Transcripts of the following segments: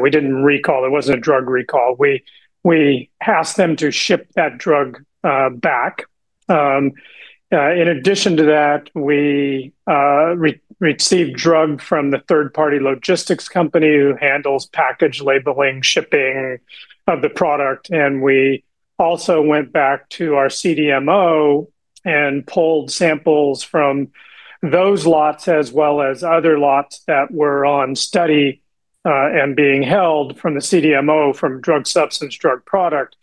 We did not recall. It was not a drug recall. We asked them to ship that drug back. In addition to that, we received drug from the third-party logistics company who handles package labeling, shipping of the product. We also went back to our CDMO and pulled samples from those lots, as well as other lots that were on study and being held from the CDMO from drug substance drug product.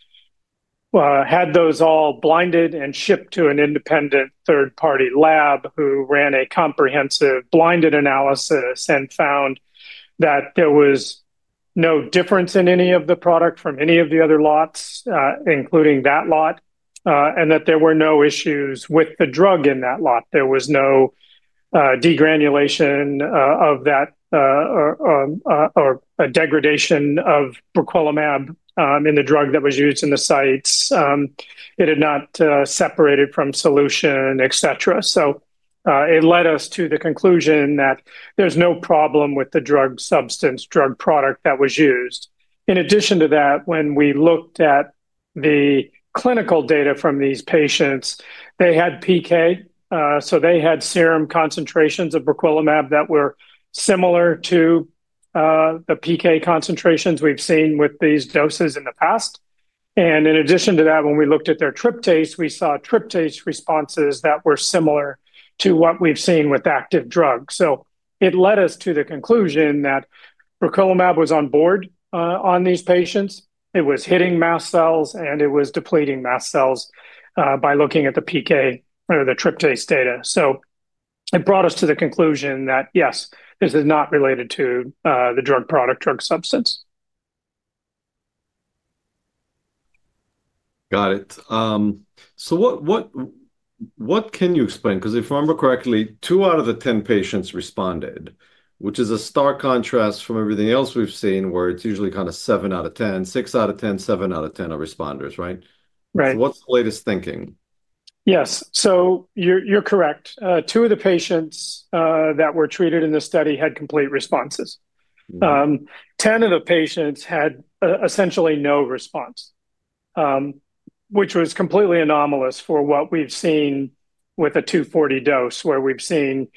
Had those all blinded and shipped to an independent third-party lab who ran a comprehensive blinded analysis and found that there was no difference in any of the product from any of the other lots, including that lot, and that there were no issues with the drug in that lot. There was no degranulation of that or a degradation of briquilimab in the drug that was used in the sites. It had not separated from solution, etc. It led us to the conclusion that there's no problem with the drug substance drug product that was used. In addition to that, when we looked at the clinical data from these patients, they had PK. They had serum concentrations of briquilimab that were similar to the PK concentrations we've seen with these doses in the past. In addition to that, when we looked at their tryptase, we saw tryptase responses that were similar to what we've seen with active drugs. It led us to the conclusion that briquilimab was on board on these patients. It was hitting mast cells, and it was depleting mast cells by looking at the PK or the tryptase data. It brought us to the conclusion that, yes, this is not related to the drug product drug substance. Got it. What can you explain? Because if I remember correctly, two out of the 10 patients responded, which is a stark contrast from everything else we've seen, where it's usually kind of seven out of 10, six out of 10, seven out of 10 are responders, right? Right. What's the latest thinking? Yes. So you're correct. Two of the patients that were treated in the study had complete responses. 10 of the patients had essentially no response, which was completely anomalous for what we've seen with a 240 dose, where we've seen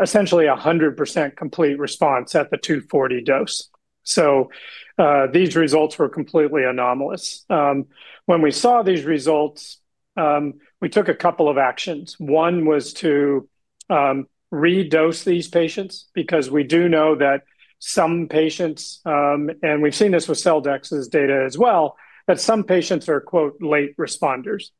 essentially 100% complete response at the 240 dose. These results were completely anomalous. When we saw these results, we took a couple of actions. One was to redose these patients because we do know that some patients—and we've seen this with Celldex's data as well—that some patients are "late responders."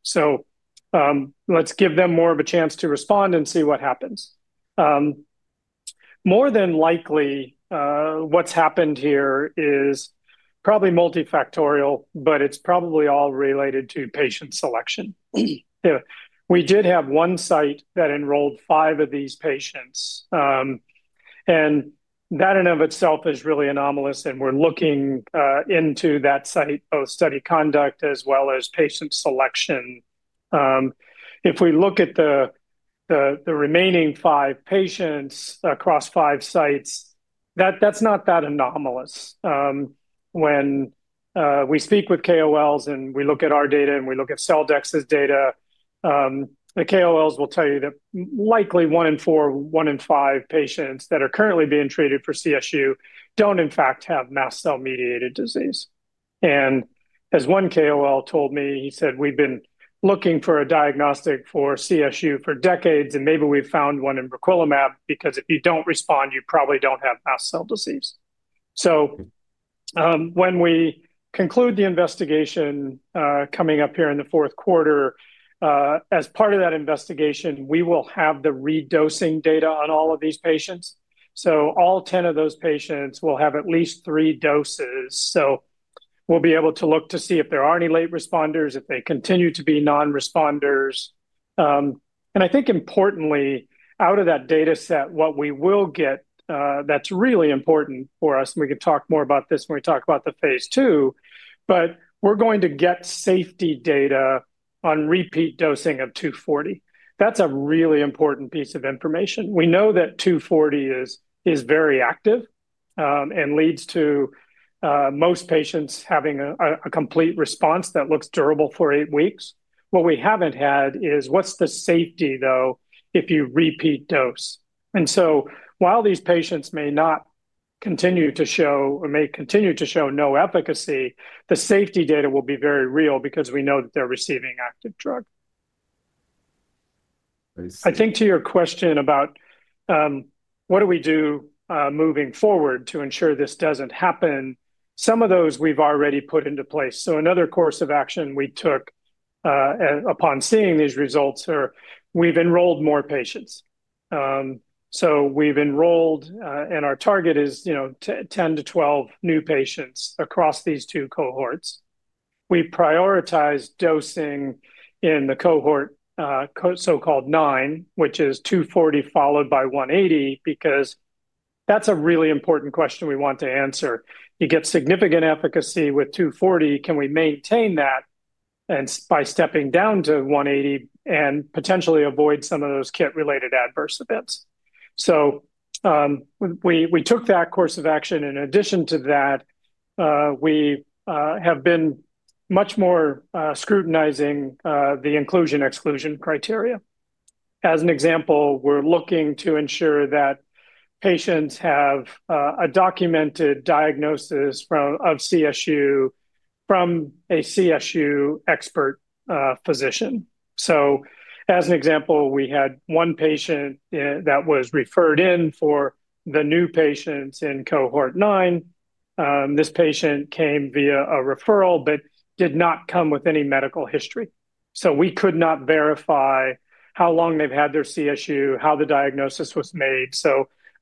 Let's give them more of a chance to respond and see what happens. More than likely, what's happened here is probably multifactorial, but it's probably all related to patient selection. We did have one site that enrolled five of these patients. That in and of itself is really anomalous. We're looking into that site, both study conduct as well as patient selection. If we look at the remaining five patients across five sites, that's not that anomalous. When we speak with KOLs and we look at our data and we look at Celldex's data, the KOLs will tell you that likely one in four, one in five patients that are currently being treated for CSU don't, in fact, have mast cell-mediated disease. As one KOL told me, he said, "We've been looking for a diagnostic for CSU for decades, and maybe we've found one in briquilimab because if you don't respond, you probably don't have mast cell disease." When we conclude the investigation coming up here in the fourth quarter, as part of that investigation, we will have the redosing data on all of these patients. All 10 of those patients will have at least three doses. We will be able to look to see if there are any late responders, if they continue to be non-responders. I think, importantly, out of that data set, what we will get that is really important for us—and we can talk more about this when we talk about the phase II—but we are going to get safety data on repeat dosing of 240. That is a really important piece of information. We know that 240 is very active and leads to most patients having a complete response that looks durable for eight weeks. What we have not had is what is the safety, though, if you repeat dose. While these patients may not continue to show or may continue to show no efficacy, the safety data will be very real because we know that they are receiving active drug. I think to your question about what do we do moving forward to ensure this doesn't happen, some of those we've already put into place. Another course of action we took upon seeing these results is we've enrolled more patients. We've enrolled, and our target is 10-12 new patients across these two cohorts. We prioritize dosing in the cohort so-called nine, which is 240 followed by 180, because that's a really important question we want to answer. You get significant efficacy with 240. Can we maintain that by stepping down to 180 and potentially avoid some of those kit-related adverse events? We took that course of action. In addition to that, we have been much more scrutinizing the inclusion-exclusion criteria. As an example, we're looking to ensure that patients have a documented diagnosis of CSU from a CSU expert physician. As an example, we had one patient that was referred in for the new patients in cohort nine. This patient came via a referral but did not come with any medical history. We could not verify how long they've had their CSU, how the diagnosis was made.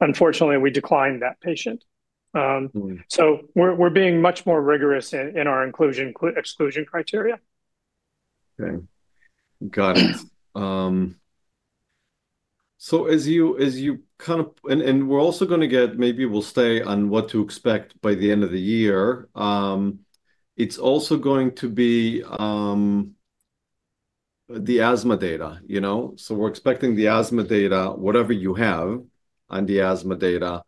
Unfortunately, we declined that patient. We're being much more rigorous in our inclusion-exclusion criteria. Okay. Got it. As you kind of—and we're also going to get—maybe we'll stay on what to expect by the end of the year. It's also going to be the asthma data. We're expecting the asthma data, whatever you have on the asthma data.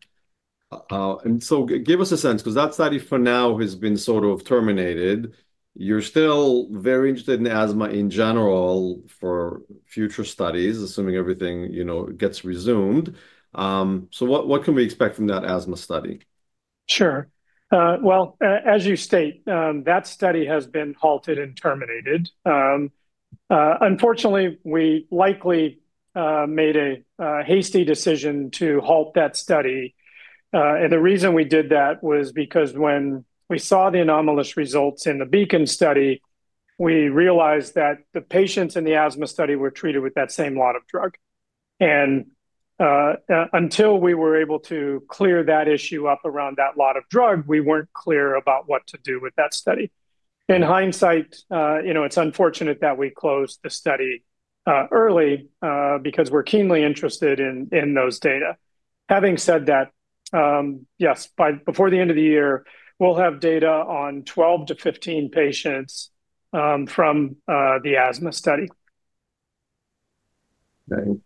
Give us a sense because that study for now has been sort of terminated. You're still very interested in asthma in general for future studies, assuming everything gets resumed. What can we expect from that asthma study? Sure. As you state, that study has been halted and terminated. Unfortunately, we likely made a hasty decision to halt that study. The reason we did that was because when we saw the anomalous results in the Beacon study, we realized that the patients in the asthma study were treated with that same lot of drug. Until we were able to clear that issue up around that lot of drug, we were not clear about what to do with that study. In hindsight, it is unfortunate that we closed the study early because we are keenly interested in those data. Having said that, yes, before the end of the year, we will have data on 12-15 patients from the asthma study. Okay.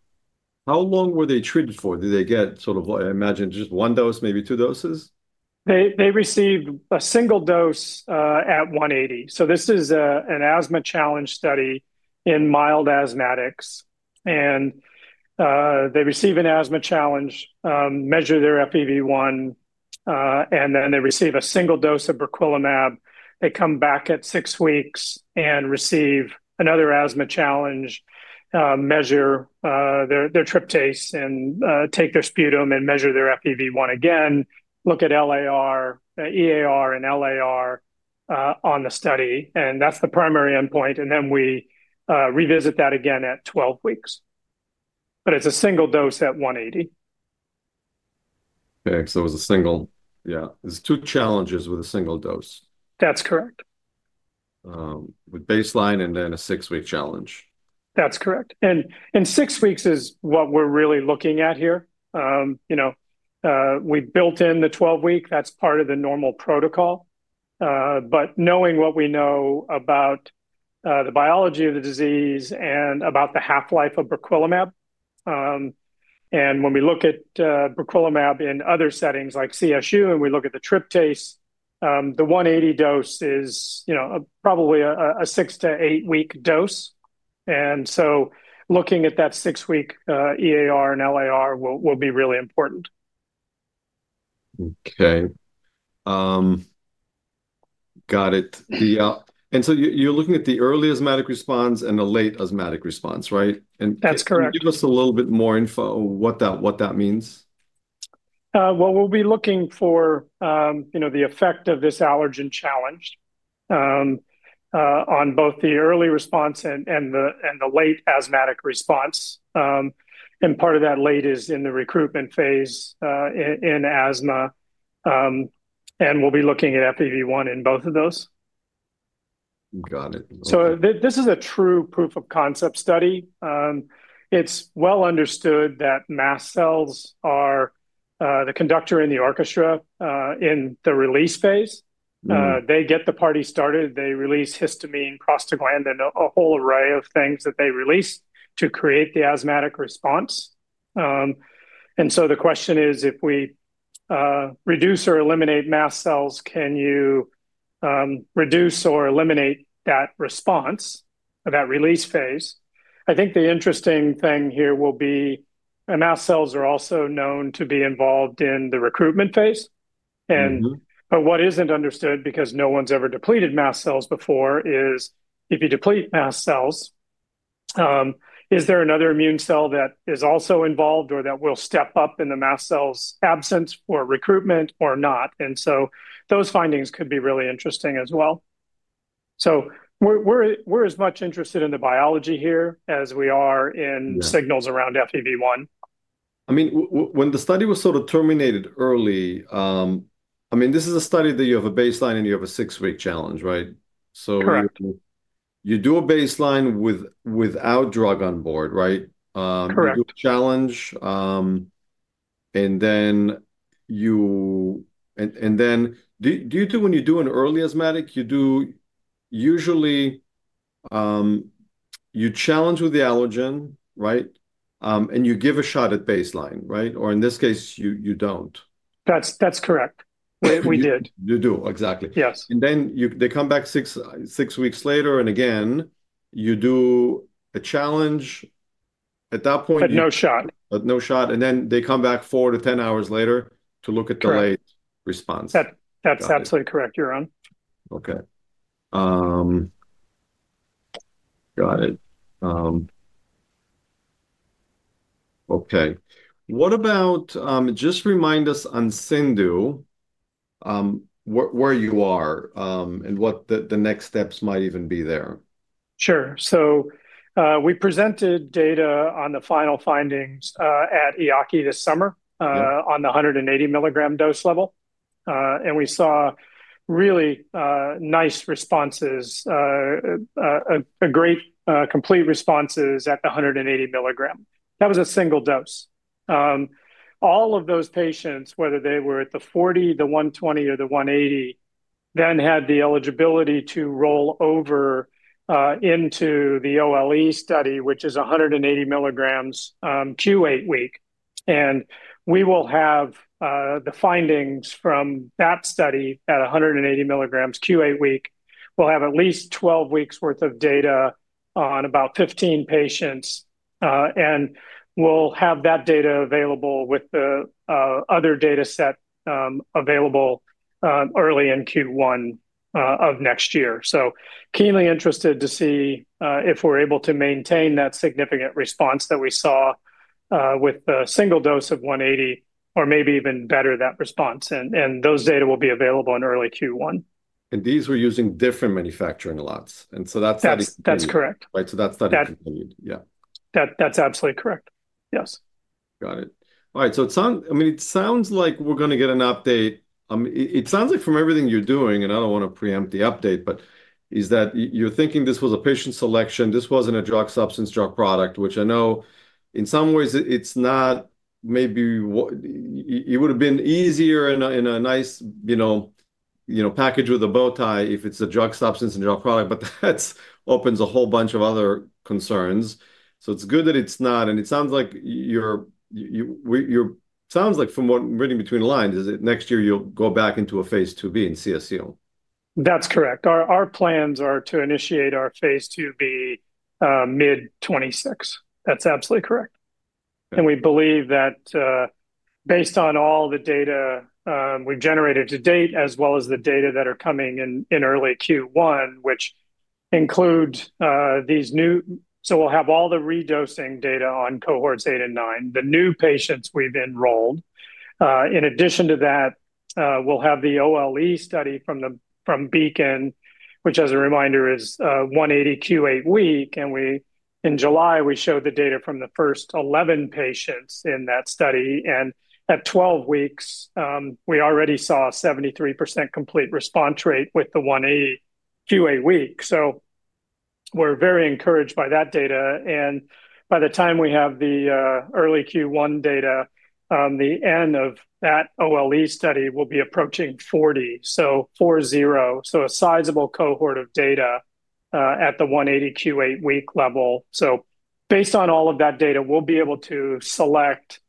How long were they treated for? Did they get sort of, I imagine, just one dose, maybe two doses? They received a single dose at 180. This is an asthma challenge study in mild asthmatics. They receive an asthma challenge, measure their FEV1, and then they receive a single dose of briquilimab. They come back at six weeks and receive another asthma challenge, measure their tryptase, and take their sputum and measure their FEV1 again, look at LAR, EAR, and LAR on the study. That is the primary endpoint. We revisit that again at 12 weeks. It is a single dose at 180. Okay. It was a single—yeah. It's two challenges with a single dose. That's correct. With baseline and then a six-week challenge. That's correct. Six weeks is what we're really looking at here. We built in the 12-week. That's part of the normal protocol. Knowing what we know about the biology of the disease and about the half-life of briquilimab, and when we look at briquilimab in other settings like CSU and we look at the tryptase, the 180 dose is probably a six to eight-week dose. Looking at that six-week EAR and LAR will be really important. Okay. Got it. And so you're looking at the early asthmatic response and the late asthmatic response, right? That's correct. Can you give us a little bit more info what that means? We'll be looking for the effect of this allergen challenge on both the early response and the late asthmatic response. Part of that late is in the recruitment phase in asthma. We'll be looking at FEV1 in both of those. Got it. This is a true proof of concept study. It's well understood that mast cells are the conductor in the orchestra in the release phase. They get the party started. They release histamine, prostaglandin, a whole array of things that they release to create the asthmatic response. The question is, if we reduce or eliminate mast cells, can you reduce or eliminate that response of that release phase? I think the interesting thing here will be mast cells are also known to be involved in the recruitment phase. What isn't understood, because no one's ever depleted mast cells before, is if you deplete mast cells, is there another immune cell that is also involved or that will step up in the mast cells' absence or recruitment or not? Those findings could be really interesting as well. We're as much interested in the biology here as we are in signals around FEV1. I mean, when the study was sort of terminated early, I mean, this is a study that you have a baseline and you have a six-week challenge, right? Correct. You do a baseline without drug on board, right? Correct. You do a challenge. And then do you do, when you do an early asthmatic, you do, usually you challenge with the allergen, right? And you give a shot at baseline, right? Or in this case, you don't. That's correct. We did. You do. Exactly. Yes. They come back six weeks later, and again, you do a challenge at that point. No shot. No shot. And then they come back four-10 hours later to look at the late response. That's absolutely correct, Your Honor. Okay. Got it. Okay. What about just remind us on Sindhu where you are and what the next steps might even be there? Sure. We presented data on the final findings at EAACI this summer on the 180 milligram dose level. We saw really nice responses, great complete responses at the 180 milligram. That was a single dose. All of those patients, whether they were at the 40, the 120, or the 180, then had the eligibility to roll over into the OLE study, which is 180 milligrams q8 week. We will have the findings from that study at 180 milligrams q8 week. We'll have at least 12 weeks' worth of data on about 15 patients. We'll have that data available with the other data set available early in Q1 of next year. I am keenly interested to see if we're able to maintain that significant response that we saw with the single dose of 180 or maybe even better that response. Those data will be available in early Q1. These were using different manufacturing lots. That study. That's correct. Right? That study continued. Yeah. That's absolutely correct. Yes. Got it. All right. So I mean, it sounds like we're going to get an update. It sounds like from everything you're doing, and I don't want to preempt the update, but is that you're thinking this was a patient selection. This wasn't a drug substance drug product, which I know in some ways it's not maybe it would have been easier in a nice package with a bow tie if it's a drug substance and drug product, but that opens a whole bunch of other concerns. It is good that it's not. It sounds like from what I'm reading between the lines, is that next year you'll go back into a phase II-B in CSU. That's correct. Our plans are to initiate our phase II-B mid-2026. That's absolutely correct. We believe that based on all the data we've generated to date as well as the data that are coming in early Q1, which include these new, so we'll have all the redosing data on cohorts eight and nine, the new patients we've enrolled. In addition to that, we'll have the OLE study from Beacon, which as a reminder is 180 q8 week. In July, we showed the data from the first 11 patients in that study. At 12 weeks, we already saw a 73% complete response rate with the 180 q8 week. We are very encouraged by that data. By the time we have the early Q1 data, the end of that OLE study will be approaching 40, so 40, so a sizable cohort of data at the 180 q8 week level. Based on all of that data, we'll be able to select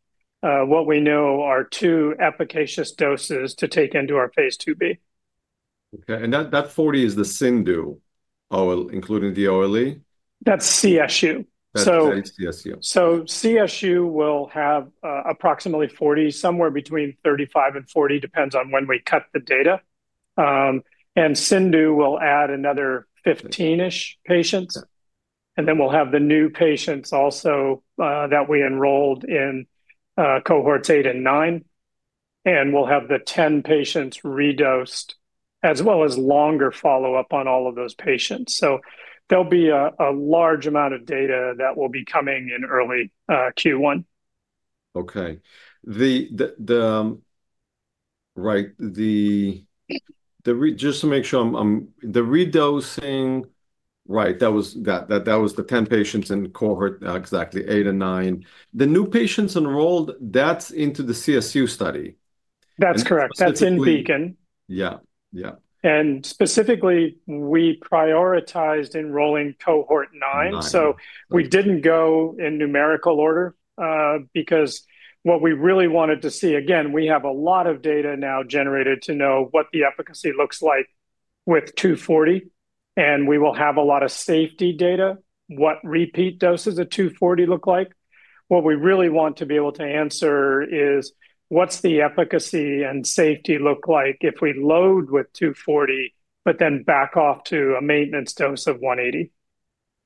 what we know are two efficacious doses to take into our phase 2B. Okay. And that 40 is the Sindhu, including the OLE? That's CSU. That's CSU. CSU will have approximately 40, somewhere between 35 and 40, depends on when we cut the data. Sindhu will add another 15-ish patients. Then we'll have the new patients also that we enrolled in cohorts eight and nine. We'll have the 10 patients redosed as well as longer follow-up on all of those patients. There will be a large amount of data that will be coming in early Q1. Okay. Right. Just to make sure, the redosing, right, that was the 10 patients in cohort, exactly eight and nine. The new patients enrolled, that's into the CSU study. That's correct. That's in Beacon. Yeah. Yeah. Specifically, we prioritized enrolling cohort nine. We did not go in numerical order because what we really wanted to see, again, we have a lot of data now generated to know what the efficacy looks like with 240. We will have a lot of safety data, what repeat doses of 240 look like. What we really want to be able to answer is what the efficacy and safety look like if we load with 240, but then back off to a maintenance dose of 180.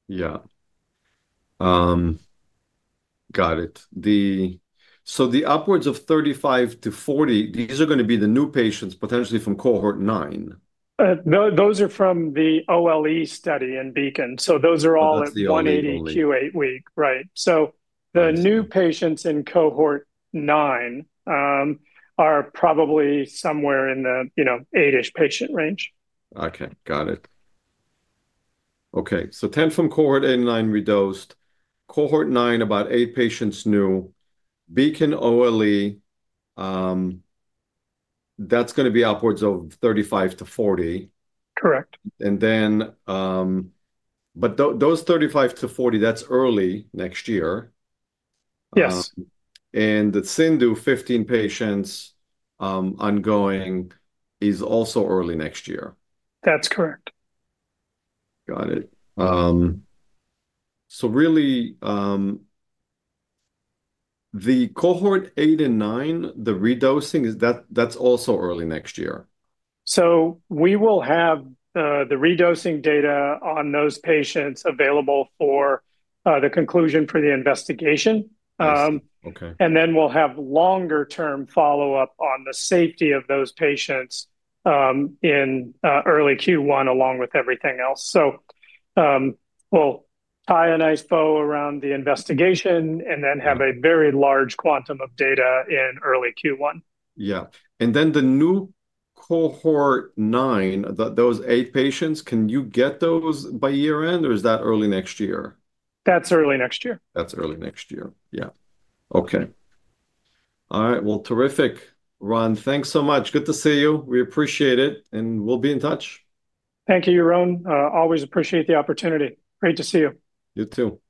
Yeah. Got it. The upwards of 35-40, these are going to be the new patients potentially from cohort nine? Those are from the OLE study in Beacon. Those are all at 180 q8 week. Right. The new patients in cohort nine are probably somewhere in the 8-ish patient range. Okay. Got it. Okay. So 10 from cohort eight and nine redosed. Cohort nine, about eight patients new. Beacon OLE, that's going to be upwards of 35-40? Correct. Those 35-40, that's early next year? Yes. The Sindhu, 15 patients ongoing, is also early next year? That's correct. Got it. So really, the cohort eight and nine, the redosing, that's also early next year? We will have the redosing data on those patients available for the conclusion for the investigation. Then we'll have longer-term follow-up on the safety of those patients in early Q1 along with everything else. We'll tie a nice bow around the investigation and then have a very large quantum of data in early Q1. Yeah. And then the new cohort nine, those eight patients, can you get those by year-end, or is that early next year? That's early next year. That's early next year. Yeah. Okay. All right. Terrific, Ron. Thanks so much. Good to see you. We appreciate it. We'll be in touch. Thank you, Yaron. Always appreciate the opportunity. Great to see you. You too. Thanks.